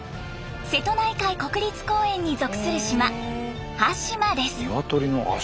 瀬戸内海国立公園に属する島端島です。